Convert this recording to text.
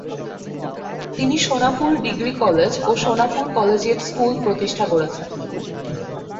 তিনি Sonapur degree college ও Sonapur collegiate school প্রতিষ্ঠা করেছেন।